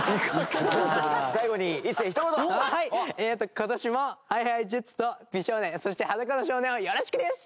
今年もＨｉＨｉＪｅｔｓと美少年そして『裸の少年』をよろしくです！